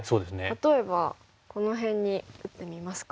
例えばこの辺に打ってみますか？